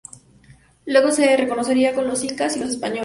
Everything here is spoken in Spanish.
Luego se relacionaría con los incas y los españoles.